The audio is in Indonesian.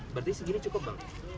berarti segini cukup bang